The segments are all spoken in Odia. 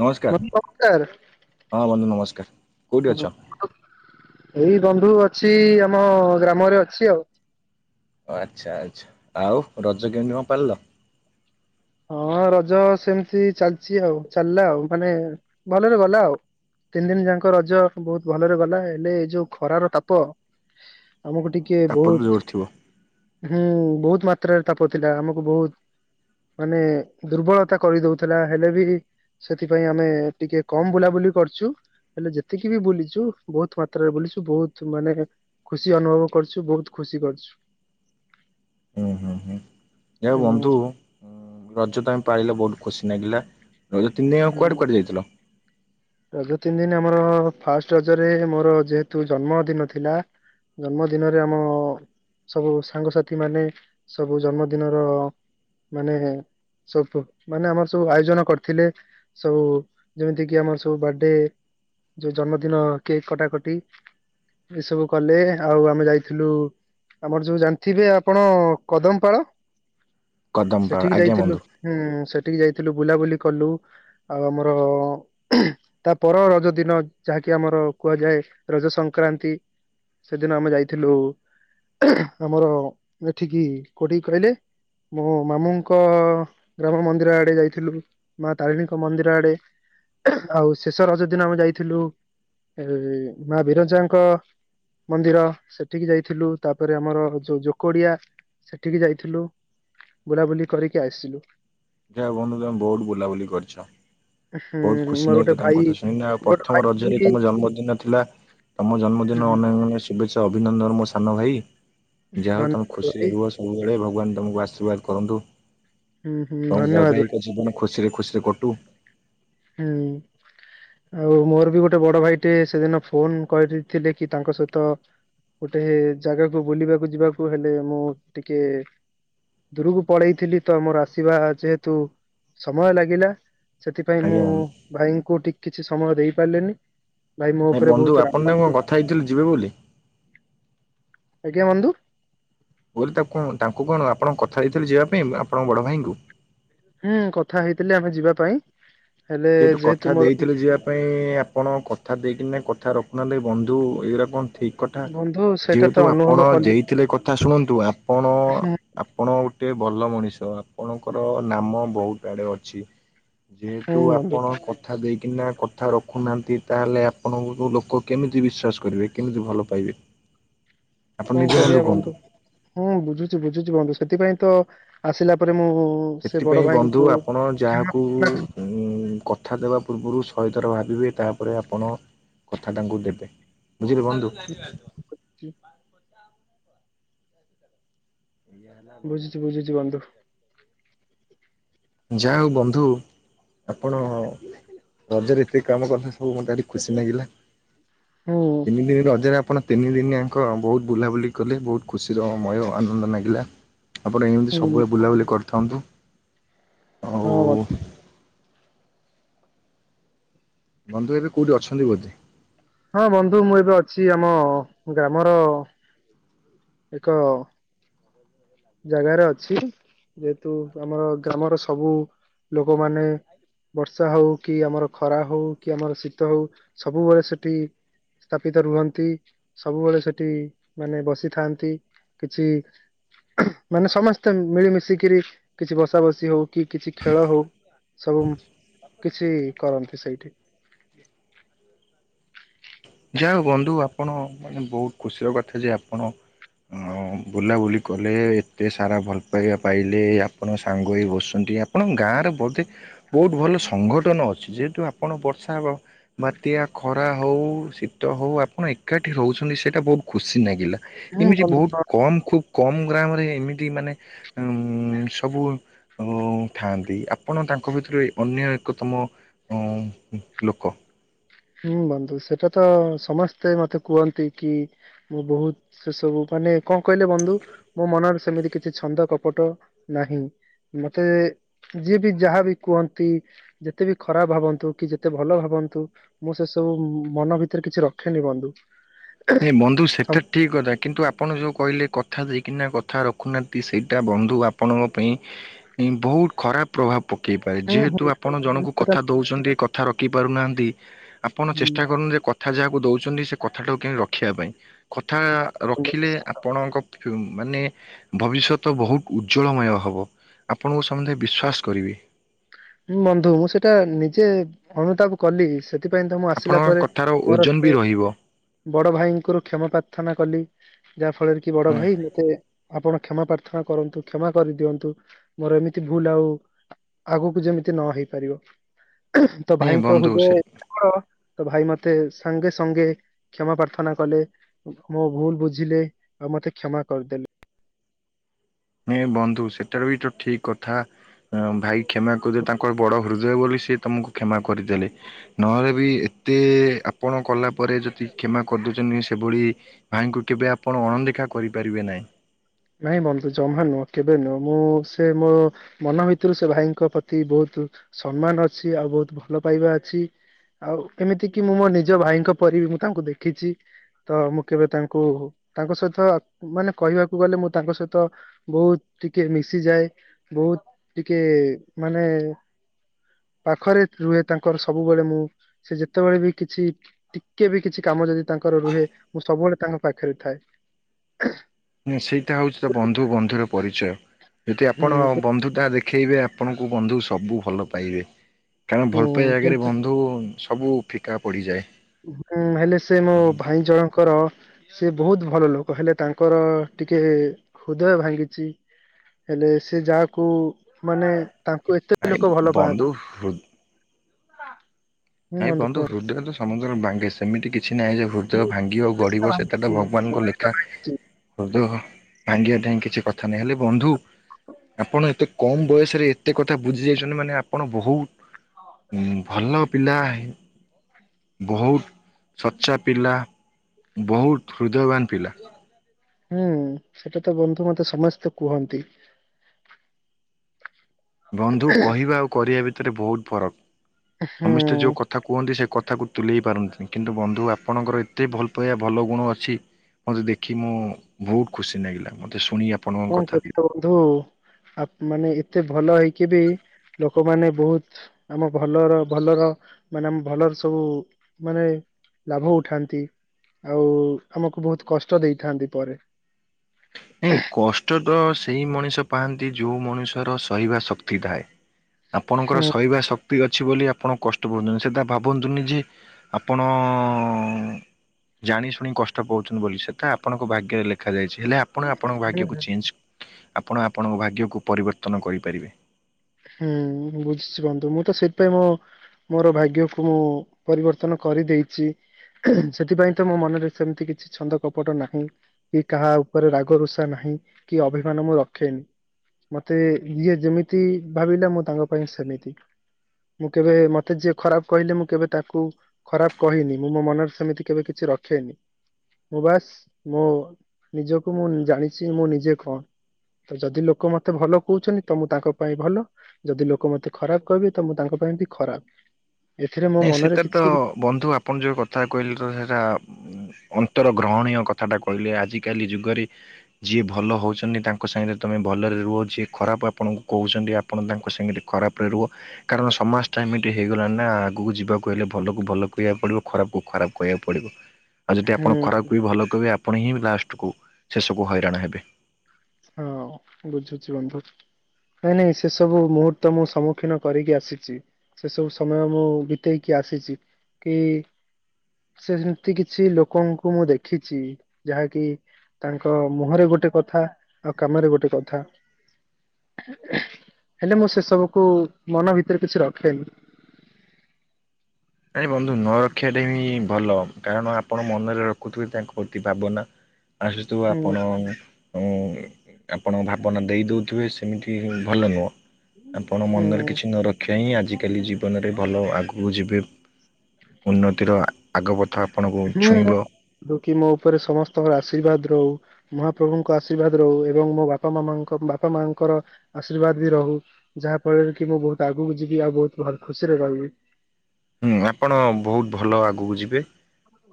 ନମସ୍କାର [unintelligible] ହଁ ବନ୍ଧୁ ନମସ୍କାର କୋଉଠି ଅଛ ଏଇ ବନ୍ଧୁ ଅଛି ଆମ ଗ୍ରାମରେ ଅଛି ଆଉ। ଆଚ୍ଛା ଆଚ୍ଛା ଆଉ ରଜ କେମିତି କଣ ପାଳିଲ? ହଁ ରଜ ସେମିତି ଚାଲିଛି ଆଉ ଚାଲିଲା ଆଉ ମାନେ ଭଲରେ ଗଲା ଆଉ। ତିନି ଦିନ ଯାକ ରଜ ବହୁତ ଭଲରେ ଗଲା। ହେଲେ ଏଇ ଯୋଉ ଖରାର ତାପ ଆମକୁ ଟିକେ ତାପର ଜୋର ବହୁତ ଥିବ। ହୁଁ ବହୁତ ମାତ୍ରାରେ ତାପ ଥିଲା। ଆମକୁ ବହୁତ ମାନେ ଦୁର୍ବଳତା କରିଦଉଥିଲା। ହେଲେ ବି ସେଥିପାଇଁ ଆମେ ଟିକେ କମ ବୁଲାବୁଲି କରିଚୁ। ହେଲେ ଯେତିକି ବି ବୁଲିଚୁ ବହୁତ ମାତ୍ରାରେ ବୁଲିଚୁ। ବହୁତ ମାନେ ଖୁସି ଅନୁଭବ କରିଚୁ। ବହୁତ ଖୁସି କରିଚୁ। ହୁଁ ହୁଁ ହୁଁ। ଯାହା ହଉ ହୁଁ ବନ୍ଧୁ ରଜ ତମେ ପାଳିଲେ ବହୁତ ଖୁସି ଲାଗିଲା। ରଜ ତିନିି ଦିନି ଆଉ କୁଆଡେ ହୁଁ। କୁଆଡେ ଯାଇଥିଲ? ରଜ ତିନି ଦିନ ଆମର ଫାଷ୍ଟ ରଜରେ ମୋର ଯେହେତୁ ଜନ୍ମ ଦିନ ଥିଲା। ଜନ୍ମଦିନରେ ଆମ ସବୁ ସାଙ୍ଗସାଥି ମାନେ ସବୁ ଜନ୍ମଦିନର ମାନେ ସବୁ ମାନେ ଆମର ସବୁ ଆୟୋଜନ କରିଥିଲେ। ସବୁ ଯେମିତି କିି ଆମର ଯୋଉ ବାର୍ଥଡେ ଯୋଉ ଜନ୍ମଦିନ କେକ୍ କଟାକଟି ଏସବୁ କଲେ ଆଉ ଆମେ ଯାଇଥିଲୁ ଆମର ଯୋଉ ଜାଣିଥିବେ ଆପଣ କଦମପାଳ କଦମପାଳ ସେଠିକି ଆଜ୍ଞା ଯାଇଥିଲୁ। ବନ୍ଧୁ। ହୁଁ ସେ ଯାଇଥିଲୁ ବୁଲାବୁଲି କଲୁ ଆଉ ଆମର ତା ପର ରଜ ଦିନ ଯାହାକି ଆମର କୁହାଯାଏ ରଜ ସଂକ୍ରାନ୍ତି। ସେଦିନ ଆମେ ଯାଇଥିଲୁ ଆମର ଏଠିକି କୋଉଠିକି କହିଲେ। ମୁଁ ମାମୁଁଙ୍କ ଗ୍ରାମ ମନ୍ଦିର ଆଡେ ଯାଇଥିଲୁ। ମା ତାରିଣୀଙ୍କ ମନ୍ଦିର ଆଡେ ଆଉ ଶେଷ ରଜ ଦିନ ଆମେ ଯାଇଥିଲୁ ଏ ମା ବିରଜାଙ୍କ ମନ୍ଦିର ।ସେଠିକି ଯାଇଥିଲୁ, ତାପରେ ଆମର ଯୋଉ ଜୋକଡିଆ ସେଠିକି ଯାଇଥିଲୁ ବୁଲାବୁଲି କରିକି ଆସିିଲୁ ଯାହା ହଉ ବନ୍ଧୁ ତମେ ବହୁତ ବୁଲାବୁଲି କରିଚ। ହୁଁ ବହୁତ ଖୁସି ମୋର ଗୋଟେ ଲାଗିଲା ତମ ଭାଇ କଥା ଶୁଣିକି। ଆଉ ମୋର ଗୋଟେ ପ୍ରଥମ ରଜରେ ଭାଇ ତମ ଜନ୍ମଦିନ ଥିଲା। ତମ ହୁଁ ଜନ୍ମଦିନ ହୁଁ ଅନେକ ଅନେକ ଶୁଭେଚ୍ଛା ଅଭିନନ୍ଦନ ମୋ ସାନ ଭାଇ। ଯାହା ହଉ ତମେ ଧନ୍ୟବାଦ ଖୁସିରେ ଭାଇ ରୁହ ସବୁବେଳେ ଭଗବାନ ତମକୁ ଆଶୀର୍ବାଦ କରନ୍ତୁ। ହୁଁ ହୁଁ ତମ ଧନ୍ୟବାଦ ଭାଇ ବୈବାହିକ ଜୀବନ ଖୁସିରେ ଖୁସିରେ କଟୁ। ହୁଁ। ଆଉ ମୋର ବି ଗୋଟେ ବଡ ଭାଇଟେ ସେଦିନ ଫୋନ କରିଥିଲେ କି ତାଙ୍କ ସହିତ ଗୋଟେ ଜାଗାକୁ ବୁଲିବାକୁ ଯିବାକୁ ହେଲେ ମୁଁ ଟିକେ ଦୂରକୁ ପଳେଇଥିଲି ତ ଆମର ଆସିବା ଯେହେତୁ ସମୟ ଲାଗିଲା। ସେ ସେଥି ପାଇଁ ମୁଁ ଆଜ୍ଞା ବନ୍ଧୁ। ଭାଇଙ୍କୁ ଠିକ କିଛି ସମୟ ଦେଇ ପାରିଲିନି। ଭାଇ ମୋ ନାଇଁ ଉପରେ ବନ୍ଧୁ ବହୁତ ଆପଣ ରାଗ ତାଙ୍କୁ କଣ କଥା ହେଇଥିଲେ ଯିବେ ବୋଲି? ଆଜ୍ଞା ବନ୍ଧୁ। ମୁଁ କହିଲି ତାଙ୍କୁ କଣ ଆପଣ କଥା ଦେଇଥିଲେ ଯିବା ପାଇଁ ଆପଣଙ୍କ ବଡ ଭାଇଙ୍କୁ। ହୁଁ କଥା ହେଇଥିଲି ଆମେ ଯିବା ପାଇଁ। ହେଲେ ଯେହେତୁ କଥା ମୋର ଦେଇଥିଲେ ଟିକେ ଯିବା ପାଇଁ ଆପଣ କଥା ଦେଇକି ନା କଥା ରଖୁନାହାନ୍ତି ବନ୍ଧୁ ଏଇ କଣ ଠିକ୍ କଥା। ବନ୍ଧୁ ସେଇଟା ତ ଯେହେତୁ ଅନୁଭବ ଆପଣ କଲି ଦେଇଥିଲେ କଥା ଶୁଣନ୍ତୁ, ଆପଣ ଆପଣ ଗୋଟେ ଭଲ ମଣିଷ। ତ ଆପଣଙ୍କର ନାମ ବହୁତ ଆଡେ ଅଛି। କିନ୍ତୁ ହୁଁ ବନ୍ଧୁ ଆପଣ କଥା ଦେଇ କିନା କଥା ରଖୁନାହାନ୍ତି ତାହେଲେ ଆପଣଙ୍କୁ ଲୋକ କେମିତି ବିଶ୍ୱାସ କରିବେ। କେମିତି ଭଲ ପାଇବେ? [inaudible] କଣ ନିଜେ କରିବା କୁହନ୍ତୁ? ବନ୍ଧୁ। ହୁଁ ବୁଝୁଛି ବୁଝୁଛି ବନ୍ଧୁ ସେଥିପାଇଁ ତ ଆସିଲା ପରେ ମୁଁ ସେ ବଡ ସେଥିପାଇଁ ବନ୍ଧୁ ଭାଇଙ୍କୁ ଆପଣ କ୍ଷମା ଯାହାକୁ ଉ କଥା ଦେବା ପୂର୍ବରୁ ସହେଥର ଭାବିବେ ତାହାପରେ ଆପଣ କଥା ତାଙ୍କୁ ଦେବେ। ବୁଝିଲେ ବନ୍ଧୁ? ବୁଝୁଛି ବୁଝୁଛି ବନ୍ଧୁ। ଯାହା ହଉ ବନ୍ଧୁ ଆପଣ ରଜରେ ଏତେ କାମ କରିଥା ସବୁ ମତେ ଭାରି ଖୁସି ମାଗିଲା। ହୁଁ ହୁଁ ତିନି ଦିନ ରଜରେ ଆପଣ ତିନିଦିନିଆଙ୍କ ବହୁତ ବୁଲାବୁଲି କଲେ ବହୁତ ଖୁସିର ମୟ ଆନନ୍ଦ ଲାଗିଲା। ଆପଣ ଏମିତି ସବୁବେଳେ ବୁଲାବୁଲି କରିଥାନ୍ତୁ। ଆଉ ହଁ ବ୍ ବନ୍ଧୁ ଏବେ କୋଉଠି ଅଛନ୍ତି ବୋଧେ? ହଁ ବନ୍ଧୁ ମୁଁ ଏବେ ଅଛି ଆମ ଗ୍ରାମର ଏକ ଜାଗାରେ ଅଛି ଯେହେତୁ ଆମର ଗ୍ରାମର ସବୁ ଲୋକମାନେ ବର୍ଷା ହଉ କି ଆମର ଖରା ହଉ କି ଆମର ଶୀତ ହଉ ସବୁବେଳେ ସେଠି ସ୍ଥାପିତ ରୁହନ୍ତି ସବୁବେଳେ ସେଠି ମାନେ ବସିଥାନ୍ତି। କିଛି ମାନେ ସମସ୍ତେ ମିଳିମିଶିକିରି କିଛି ବସା ବସି ହଉ କି କିଛି ଖେଳ ହଉ ସବୁ କିଛି କରନ୍ତି ସେଇଠି ଯାହା ହେଉ ବନ୍ଧୁ ଆପ ଆପଣ ମାନେ ବହୁତ ଖୁସିର କଥା ଯେ ଆପଣ ଉଁ ବୁଲାବୁଲି କଲେ ଏତେ ସାରା ଭଲ ପାଇବା ପାଇଲେ ଆପଣ ସାଙ୍ଗ ହେଇ ବସନ୍ତି ଆପଣଙ୍କ ଗାଁରେ ବୋଧେ ବହୁତ ଭଲ ସଂଗଠନ ଅଛି ଯେହେତୁ ଆପଣ ବର୍ଷା ବା ବାତ୍ୟା ଏହା ଖରା ହେଉ ଶୀତ ହେଉ ଆପଣ ଏକାଠି ରହୁଛନ୍ତି ସେଇଟା ବହୁତ ଖୁସି ଲାଗିଲା ମୁଁ ଏମିତି ବହୁତ ବନ୍ଧୁ କମ୍ ଖୁବ କମ୍ ଗ୍ରାମରେ ଏମିତି ମାନେ ଉମ ସବୁ ଥାଆନ୍ତି ଆପଣ ତା ତାଙ୍କ ଭିତରେ ଅନ୍ୟ ଏକତମ ଉମ ଲୋକ ହୁଁ ବନ୍ଧୁ ସେଟା ତ ସମସ୍ତେ ମତେ କୁହନ୍ତି କି ମୁଁ ବହୁତ ସେ ସବୁ ମାନେ କଣ କହିଲେ ବନ୍ଧୁ ମୋ ମନରେ ସେମିତି କିଛି ଛନ୍ଦ କପଟ ନାହିଁ। ମତେ ଯିଏ ବି ଯାହାବି କୁହନ୍ତି ଯେତେ ବି ଖରାପ ଭାବନ୍ତୁ କି ଯେତେ ଭଲ ଭାବ ନ୍ତୁ ମୁଁ ସେ ସବୁ ମନ ଭିତରେ କିଛି ରଖେନି ବନ୍ଧୁ। ନାଇ ବନ୍ଧୁ ସେଟା ସମ- ଠିକ କଥା କିନ୍ତୁ ଆପଣ ଯେଉଁ କହିଲେ କଥା ଦେଇକିନା କଥା ରଖୁନାହାନ୍ତି ସେଇଟା ବନ୍ଧୁ ଆପଣଙ୍କ ପାଇଁ ବହୁତ ଖରାପ ପ୍ରଭାବ ପକେଇପାରେ ଯେହେତୁ ଆପଣ ମୁଁ ଜଣଙ୍କୁ କଥା ସେଟା- ଦେଉଛନ୍ତି କଥା ରଖିପାରୁନାହାଁନ୍ତି ଆପଣ ଚେଷ୍ଟା ହୁଁ, କରନ୍ତୁ ଯେ କଥା ଯାହାକୁ ଦେଉଛନ୍ତି ସେ କଥାଟାକୁ କିଣି ରଖିବା ପାଇଁ କଥା ରଖିଲେ ଆପଣଙ୍କ ମାନେ ଭବିଷ୍ୟତ ବହୁତ ଉଜ୍ଜଳମୟ ହବ। ଆପଣଙ୍କୁ ସମସ୍ତେ ବିଶ୍ୱାସ କରିବେ। ଉଁ ବନ୍ଧୁ ମୁଁ ସେଇଟା ନିଜେ ଅନୁତାପ କଲି ସେ ସେଥିପାଇଁ ତ ମୁଁ ଆସିଲା ଆପଣଙ୍କ ପରେ କଥାର ମୋର ଓଜନ ବି ସେ ରହିବ। ବଡ ଭାଇ ଙ୍କର କ୍ଷମା ପ୍ରାର୍ଥନା କଲି ଯାହା ଫଳରେ କି ବଡ ହୁଁ। ଭାଇ ମତେ ଆପଣ କ୍ଷମା ପ୍ରାର୍ଥନା କରନ୍ତୁ କ୍ଷମା କରିଦିଅନ୍ତୁ ମୋର ଏମିତି ଭୁଲ ଆଉ ଆଗକୁ ଯେମିତି ନ ହେଇ ପାରିବ ତ ନାଇଁ ଭାଇଙ୍କ ବନ୍ଧୁ ହୃଦୟ ସେ ଏତେ ବଡ଼ ତ ଭାଇ ମତେ ସାଙ୍ଗେ ସଙ୍ଗେ କ୍ଷମା ପ୍ରାର୍ଥନା କଲେ ମୋ ଭୁଲ ବୁଝିଲେ ଆଉ ମୋତେ କ୍ଷମା କରିଦେଲେ। ହଁ ବନ୍ଧୁ ସେଟାରେ ବି ତ ଠିକ କଥା ଥା ଭାଇ କ୍ଷମା କରିଦିଅ। ତାଙ୍କର ବଡ ହୃଦୟ ବୋଲି ସେ ତମକୁ କ୍ଷମା କରିଦେଲେ। ନ ତାରେ ବି ଏତେ ଆପଣ କଲା ପରେ ଯଦି କ୍ଷମା କରିଦେଉଛନ୍ତି ସେଭଳି ଭାଇଙ୍କୁ କେବେ ଆପ୍ ଆପଣ ଅଣଦେଖା କରିପାରିବେ ନାହିଁ। ନାଇଁ ବନ୍ଧୁ ଜମା ନୁହଁ କେବେ ନୁହଁ ମୁଁ ସେ ମୋ ମନ ଭିତରୁ ସେ ଭାଇଙ୍କ ପ୍ରତି ବହୁତ ସମ୍ମାନ ଅଛି ଆଉ ବହୁତ ଭଲ ପାଇବା ଅଛି। ଆଉ ଏମିତି କି ମୁଁ ମୋ ନିଜ ଭାଇଙ୍କ ପରିବି ମୁଁ ତାଙ୍କୁ ଦେଖିଛି। ତ ମୁଁ କେବେ ତାଙ୍କୁ, ତାଙ୍କ ସହିତ ମାନେ କହିବାକୁ ଗଲେ, ମୁଁ ତାଙ୍କ ସହିତ ବହୁତ ଟିକେ ମିଶିଯାଏ, ବହୁତ ଟିକେ ମାନେ ହଁ [unintelligible] ପାଖରେ ରୁହେ ତାଙ୍କର ସବୁବେଳେ ମୁଁ, ସେ ଯେତେବେଳେ ବି କିଛି ଟିକେ ବି କିଛି କାମ ମୁଁ ଯଦି ତାଙ୍କର ରୁହେ, ମୁଁ ସବୁବେଳେ ତାଙ୍କ ପାଖରେ ଥାଏ । ସେଇଟା ହଉଛି ତ ବନ୍ଧୁ ବନ୍ଧୁର ର ପରିଚୟ, ଯଦି ଆପଣ ହୁଁ ବନ୍ଧୁ ତାହା ଦେଖ ଶିଖେଇବେ, ଆପଣଙ୍କୁ ବନ୍ଧୁ ସବୁ ଭଲ ପାଇବେ, କାରଣ ହୁଁ ଭଲ ପାଇବା ଜାଗାରେ କିନ୍ତୁ ବନ୍ଧୁ ସବୁ ଫିକା ପଡ଼ିଯାଏ । ହେଲେ, ସେ ମୋ ଭାଇ ଜଣଙ୍କର ସେ ବହୁତ ଭଲ ଲୋକ, ହେଲେ ତାଙ୍କର ଟିକେ ହୃଦୟ ଭାଙ୍ଗିଛି। ହେଲେ, ସେ ଯାହାକୁ ମାନେ ତାଙ୍କୁ ଏତେ ନାଇଁ ଲୋକ ଭଲ ବନ୍ଧୁ ପାଆନ୍ତି ହୃ । ନାଇଁ, ବନ୍ଧୁ ହୃଦୟ ସମ ଭାଙ୍ଗେ, ସେମିତି କିଛି ନାହିଁ ଯେ ହୃଦୟ ମୁଁ ଭାଙ୍ଗିବ ସେଇଟା ଗଢିବ ସେତଟା ଭାବିଛି, ଭଗବାନଙ୍କ ଲେଖା। ଭାବିଛି। ହୃଦୟ ଭାଙ୍ଗିଆ ଟା କିଛି କଥା ନାହିଁ, ହେଲେ ବନ୍ଧୁ ଆପଣ ଏତେ କମ ବୟସରେ, ଏତେ କଥା ବୁଝି ଯାଇଛନ୍ତି ମାନେ, ଆପଣ ବହୁତ ଭଲ ପିଲା, ହଁ ବହୁତ ସଚ୍ଚା ପିଲା। ବହୁତ ହୃଦୟବାନ ପିଲା । ହୁଁ ସେଇଟା ତ ବନ୍ଧୁ ମତେ ସମସ୍ତେ କୁହନ୍ତି । ବନ୍ଧୁ କହିବା ଆଉ କରିବା ଭିତରେ ବହୁତ ଫରକ, ସମସ୍ତେ ହୁଁ ଯୋଉ କଥା କୁହନ୍ତି, ସେ କଥା କଥାକୁ ତୁଲେଇ ପାରନ୍ତିନି କିନ୍ତୁ ବନ୍ଧୁ ଆପଣଙ୍କର ଏତେ ଭଲ ପାଇବା ଭଲ ଗୁଣ ଅଛି ମତେ ଦେଖି ମୁଁ ବହୁତ ଖୁସି ଲାଗିଲା, ମତେ ଶୁଣିବା କଣ କରଛ [unintelligible] ବନ୍ଧୁ ମାନେ ଏତେ ଭଲ ହେଇକି ବି ଲୋକମାନେ ବହୁତ, ଆମ ଭଲର ଭଲର, ମାନେ ଆମ ଭଲର ସବୁ ମାନେ ଲାଭ ଉଠାନ୍ତି, ଆଉ ଆମକୁ ବହୁତ କଷ୍ଟ ଦେଇଥାନ୍ତି ପରେ । ନାଇଁ କଷ୍ଟ । ତ ସେଇ ମଣିଷ ପାଆନ୍ତି, ଯୋଉ ମଣିଷର ସହିବା ଶକ୍ତି ଥାଏ । ହୁଁ ଆପଣଙ୍କର ସହିବା ଶକ୍ତି ଅଛି ବୋଲି, ଆପଣ କଷ୍ଟ ପାଉଚନି, ସେଇଟା ଭାବନ୍ତୁନି ଯେ ଆପଣ ଜାଣି ଶୁଣି କଷ୍ଟ ପାଉଛନ୍ତି ବୋଲି ସେଟା ଆପଣଙ୍କ ଭାଗ୍ୟରେ ଲେଖା ଯାଇଛି । ହେଲେ ଆପଣ ଆପଣଙ୍କ ଭାଗ୍ୟକୁ ଚେଞ୍ଜ, ଆପଣ ଆପଣଙ୍କ ଭାଗ୍ୟକୁ ପରିବର୍ତ୍ତନ କରିପାରିବେ । ହୁଁ ବୁଝିଛି ବନ୍ଧୁ, ମୁଁ ତ ସେଥିପାଇଁ ମୁଁ ମୋର ଭାଗ୍ୟକୁ ମୁଁ ପରିବର୍ତ୍ତନ କରି ଦେଇଛି। ସେଥିପାଇଁ ତ ମୋ ମନରେ ସେମିତି କିଛି ଛନ୍ଦ କପଟ ନାହିଁ, କି କାହା ଉପରେ ରାଗ ରଷା ନାହିଁ । କି ଅଭିମାନ ମୁଁ ରଖେନି, ମତେ ଯିଏ ଯେମିତି ଭାବିଲା, ମୁଁ ତାଙ୍କ ପାଇଁ ସେମିତି । ମୁଁ କେବେ, ମତେ ଯିଏ ଖରାପ କହିଲେ -ମୁଁ କେବେ ତାକୁ ଖରାପ କହିନି, ମୁଁ ମୋ ମନରେ ସେମିତି କେବେ କିଛି ରଖେନି । ମୁଁ ବାସ, ମୁଁ ନିଜକୁ ମୁଁ ଜାଣିଛି ମୁଁ ନିଜେ କଣ? ତ ଯଦି ଲୋକ ମତେ ଭଲ କହୁଛନ୍ତି ତ ମୁଁ ତାଙ୍କ ପାଇଁ ଭଲ, ଯଦି ଲୋକ ମତେ ଖରାପ କହିବେ ତ ମୁଁ ତାଙ୍କ ପାଇଁ ବି ଖରାପ । ନାଇଁ, ସେଥେରତ ବନ୍ଧୁ ଆପଣ ଯୋଉ କଥା କହିଲେ ତ ସେଇଟା ଉତ୍ତର ଗ୍ରହଣୀୟ କଥାଟା କହିଲେ, ଆଜିକାଲି ଯୁଗରେ ଯିଏ ଭଲ ହଉଛନ୍ତି ତାଙ୍କ ସାଙ୍ଗତ ତମେ ଭଲରେ ରୁହ, ଯିଏ ଖରାପ ଆପଣଙ୍କୁ କହୁଛନ୍ତି, ଆପଣ ତାଙ୍କ ସାଙ୍ଗ ଖରାପ ରେ ରୁହ, କାରଣ ସମାଜ ଟା ଏମିତି ହେଇଗଲା ନା ଆଗକୁ ଯିବାକୁ ହେଲେ ଭଲ କ ଭଲ କହିବାକୁ ପଡିବ ଖରାପକୁ ଖରାପ କହିବାକୁ ପଡିବ। ଆଉ ଯଦି ହୁଁ ଆପଣ ଖରାପକୁ ବି ଭଲ କହିବେ, ଆପଣ ହିଁ ଲାଷ୍ଟକୁ ଶେଷକୁ ହଇରାଣ ହେବେ । ହଁ ବୁଝୁଛି ବନ୍ଧୁ । ନାଇଁ ନାଇଁ, ସେ ସବୁ ମୁହୂର୍ତ୍ତ ମୁଁ ସମ୍ମୁଖୀନ କରିକି ଆସିଛି । ସେ ସବୁ ସମୟ ମୁଁ ବିତେଇକି ଆସିଛି । କି ସେ ସେମତି କିଛି ଲୋକଙ୍କୁ ମୁଁ ଦେଖିଚି ଯାହାକି ତାଙ୍କ ମୁହଁରେ ଗୋ ଗୋଟେ କଥା ଆଉ କାମରେ ଗୋଟେ କଥା। ହେଲେ ମୁଁ ସେସବୁକୁ ମନ ଭିତରେ କିଛି ରଖେନି। ନାଇଁ ବନ୍ଧୁ ନ ରଖିବାଟା ହିଁ ଭଲ କାରଣ ଆପଣ ମନରେ ରଖୁଥିବେ ତାଙ୍କ ପ୍ରତି ଭାବନା ଆସୁଥୁବ ହୁଁ ଆପଣ ଉଁ ଆପଣ ଭାବନା ଦେଇଦୋଉଥୁବେ ସେମିତି ହିଁ ଭଲ ନୁହଁ। ଆପଣ ହୁଁ ମନରେ କିଛି ନ ରଖିବା ହିଁ ଆଜିକାଲି ଜୀବନରେ ଭଲ ଆଗକୁ ଯିବେ ଉନ୍ନତିର ଆଗ ପଥ ଆପଣଙ୍କୁ ହୁଁ ଛୁଇଁବ ରୋକି ମୋ ଉପରେ ସମସ୍ତଙ୍କର ଆଶୀର୍ବାଦ୍ ହୋଉ ମହାପ୍ରଭୁଙ୍କ ଆଶୀର୍ବାଦ ରହୁ ଏବଂ ମୋ ବାପା ମାମାଙ୍କ-ବାପା ମାଙ୍କର ଆଶୀର୍ବାଦ ବି ରହୁ। ଉ ଯାହାଫଳରେ କି ମୁଁ ବୋହୁତ ଆଗକୁ ଯିବି ଆଉ ବୋହୁତ ଭ-ଖୁସିରେ ରହିବି। ହୁଁ ଆପଣ ବୋହୁତ ଭଲ ଆଗକୁ ଯିବେ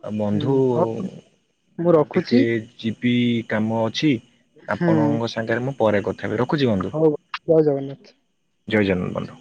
ଆଉ ହୁଁ ବନ୍ଧୁ ହଉ ମୁଁ ଟିକେ ଯିିବି କାମ ଅଛି ହୁଁ ଆପଣଙ୍କ ସାଙ୍ଗରେ ମୁଁ ପରେ କଥା ହେବି, ରଖୁଚି ବନ୍ଧୁ। ହଉ ଜୟ ଜଗନ୍ନାଥ ଜୟ ଜନନ୍ ବନ୍ଧୁ।